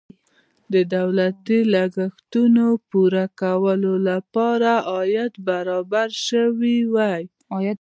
د دولتي لګښتونو د پوره کولو لپاره عواید برابر شوي وای.